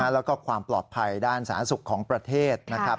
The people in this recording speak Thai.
แล้วก็ความปลอดภัยด้านสาธารณสุขของประเทศนะครับ